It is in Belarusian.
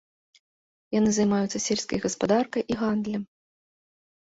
Яны займаюцца сельскай гаспадаркай і гандлем.